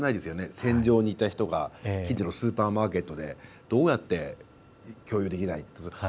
戦場にいた人が近所のスーパーマーケットでどうやって共有できるのか。